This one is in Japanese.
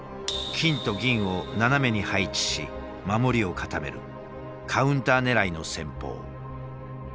金と銀を斜めに配置し守りを固めるカウンターねらいの戦法。